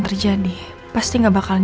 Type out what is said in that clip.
terdengar sejak kebetulan